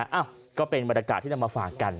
เอ้าก็เป็นบรรยากาศที่นำมาฝากกัน